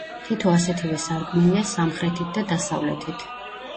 თითო ასეთივე სარკმელია სამხრეთით და დასავლეთით.